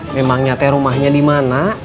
memang nyate rumahnya dimana